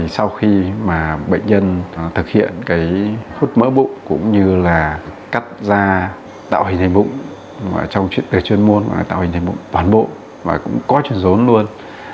sau khi bệnh nhân thực hiện hút mỡ bụng cũng như cắt da tạo hình thẩm mụn trong chuyên môn tạo hình thẩm mụn toàn bộ và cũng có chuyên rốn luôn